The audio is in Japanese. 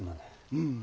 うん。